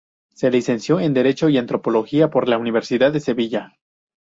Se licenció en Derecho y Antropología por la Universidad de Sevilla.